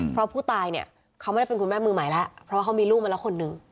เพราะผู้ตายเนี่ยเขาไม่ได้เป็นคุณแม่มือใหม่แล้วเพราะว่าเขามีลูกมาแล้วคนนึง